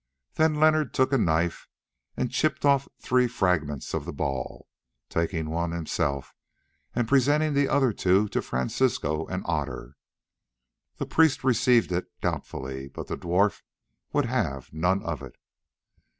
Then Leonard took a knife and chipped off three fragments from the ball, taking one himself and presenting the other two to Francisco and Otter. The priest received it doubtfully, but the dwarf would have none of it.